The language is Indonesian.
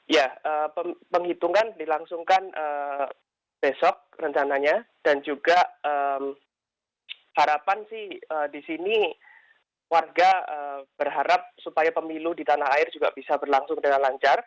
ya penghitungan dilangsungkan besok rencananya dan juga harapan sih di sini warga berharap supaya pemilu di tanah air juga bisa berlangsung dengan lancar